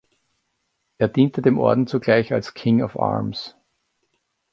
Er diente dem Orden zugleich als King of Arms.